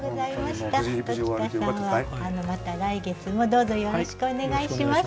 鴇田さんはまた来月もどうぞよろしくお願いします。